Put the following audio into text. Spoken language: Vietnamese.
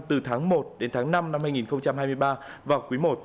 từ tháng một đến tháng năm năm hai nghìn hai mươi ba và quý i